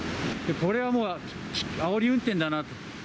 これはもう、あおり運転だなと。